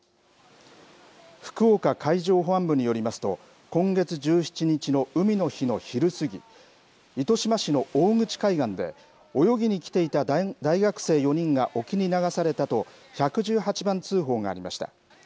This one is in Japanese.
福岡海上保安部によりますと、今月１７日の海の日の昼過ぎ、糸島市の大口海岸で、泳ぎに来ていた大学生４人が沖に流されたと、１１８番通報がありました。